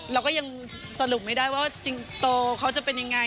เราก็ยังสรุปไม่ได้ว่าจริงโตเขาจะเป็นยังไง